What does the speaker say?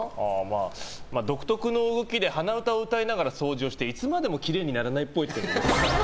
独特の動きで鼻歌を歌いながら掃除をして、いつまでもきれいにならないっぽい。